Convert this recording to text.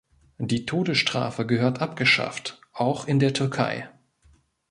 Die Todesstrafe gehört abgeschafft, auch in der Türkei!